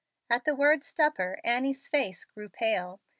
At the word "stupor," Annie's face grew pale.